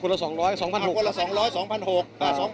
คนละ๒๐๐๒๖๐๐บาท